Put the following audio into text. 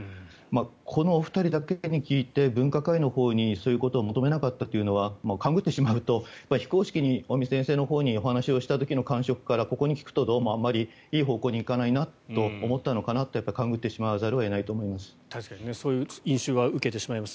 このお二人だけに聞いて分科会のほうにそういうことを聞かなかったというのは勘繰ってしまうと非公式に尾身先生のほうにお話をした時の感触からここに話をすると、どうもいい方向にいかないなと思ったのかなと勘繰らざるを得ないかなと思います。